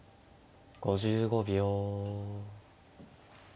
５５秒。